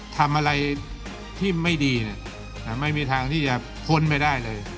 ทำอะไรที่ไม่ดีไม่มีทางที่จะพ้นไปได้เลย